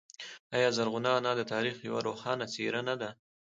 آیا زرغونه انا د تاریخ یوه روښانه څیره نه ده؟